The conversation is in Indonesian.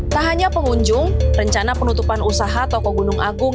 tak hanya pengunjung rencana penutupan usaha toko gunung agung